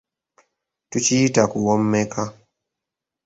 Tukiyita kuwommeka.